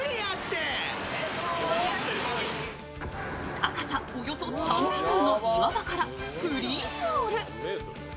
高さおよそ３ｍの岩場からフリーフォール。